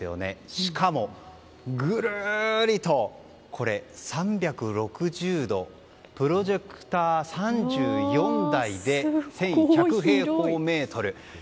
しかも、ぐるりと３６０度プロジェクター３４台で１１００平方メートル。